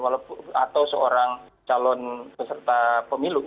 atau seorang calon peserta pemilu